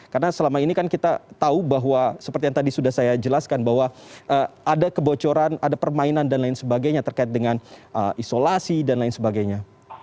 karena selama ini kan kita tahu bahwa seperti yang tadi sudah saya jelaskan bahwa ada kebocoran ada permainan dan lain sebagainya terkait dengan isolasi dan lain sebagainya